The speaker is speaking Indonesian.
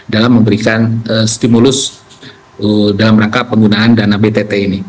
dalam memberikan stimulus dalam rangka penggunaan dana btt ini